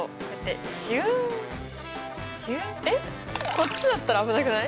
こっちだったら危なくない？